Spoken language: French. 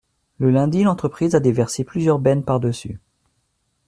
le lundi l’entreprise a déversé plusieurs bennes par-dessus.